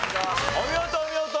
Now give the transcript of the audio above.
お見事お見事。